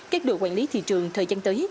các đội quản lý thị trường thời gian tới